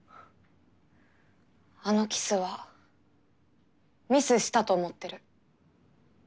あのキスはミスしたと思ってる。